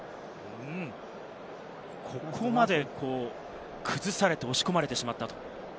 ここまで崩されて押し込まれてしまった。